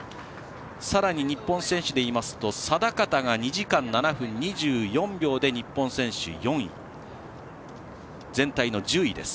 さらに、日本選手でいいますと定方が２時間７分２４秒で日本選手４位、全体の１０位です。